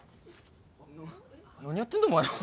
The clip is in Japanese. な何やってんだお前ら。